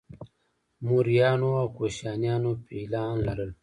موریانو او کوشانیانو فیلان لرل